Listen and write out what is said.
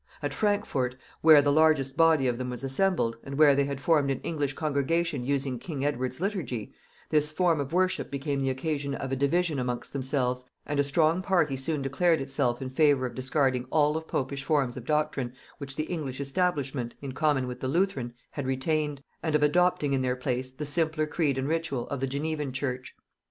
At Frankfort, where the largest body of them was assembled, and where they had formed an English congregation using king Edward's liturgy, this form of worship became the occasion of a division amongst themselves, and a strong party soon declared itself in favor of discarding all of popish forms or doctrine which the English establishment, in common with the Lutheran, had retained, and of adopting in their place the simpler creed and ritual of the Genevan church.